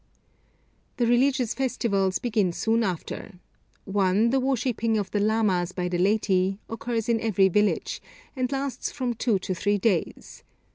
The religious festivals begin soon after. One, the worshipping of the lamas by the laity, occurs in every village, and lasts from two to three days.